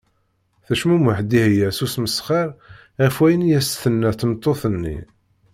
Tecmumeḥ Dihya s usmesxer ɣef wayen i as-tenna tmeṭṭut-nni.